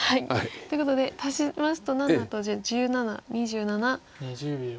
っていうことで足しますと７と１０１７２７。